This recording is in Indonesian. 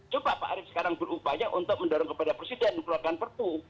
coba pak arief sekarang berupaya untuk mendorong kepada presiden mengeluarkan perpu